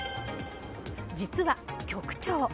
実は局長！